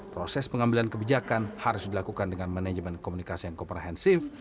proses pengambilan kebijakan harus dilakukan dengan manajemen komunikasi yang komprehensif